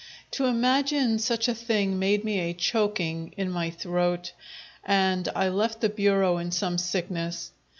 To imagine such a thing made me a choking in my throat, and I left the bureau in some sickness.